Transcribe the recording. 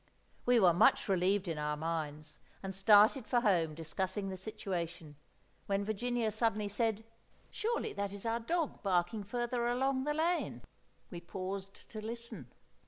We were much relieved in our minds, and started for home discussing the situation, when Virginia suddenly said— "Surely that is our dog barking further along the lane?" We paused to listen.